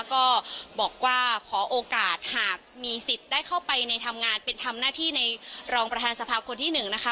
ก็บอกว่าขอโอกาสหากมีสิทธิ์ได้เข้าไปในทำงานเป็นทำหน้าที่ในรองประธานสภาคนที่๑นะคะ